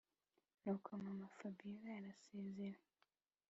nuko mama-fabiora arasezera